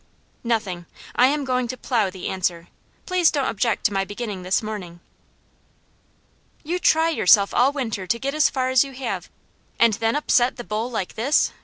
"Nothing! I am going to plow the answer. Please don't object to my beginning this morning." "You try yourself all winter to get as far as you have, and then upset the bowl like this?"